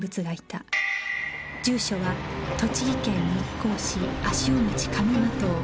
住所は栃木県日光市足尾町上間藤